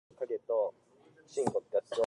The album cover shows a Lichtenberg figure.